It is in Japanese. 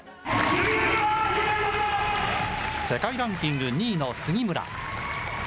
世界ランキング２位の杉村。